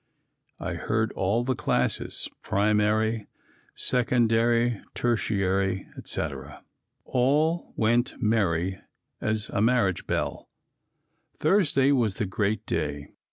I heard all the classes, primary, secondary, tertiary, et cetera. All went merry as a marriage bell. Thursday was the great day.